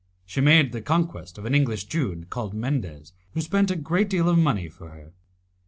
She made the conquest of an English Jew, called Mendez, who spent a great deal of money for her.